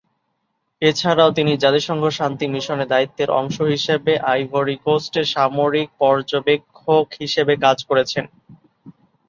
এছাড়াও তিনি জাতিসংঘ শান্তি মিশনে দায়িত্বের অংশ হিসেবে আইভরি কোস্টে সামরিক পর্যবেক্ষক হিসেবে কাজ করেছেন।